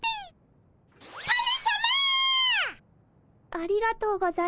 ありがとうございます。